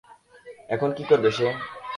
এখন কী করবে সে?